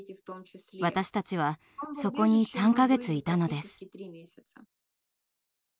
私たちはそこに３か月いたのです。